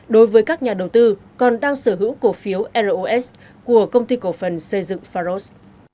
đối với các nhà đầu tư còn đang sở hữu cổ phiếu ros của công ty cổ phần xây dựng pharos